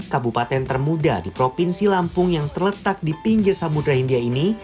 kabupaten termuda di provinsi lampung yang terletak di pinggir samudera india ini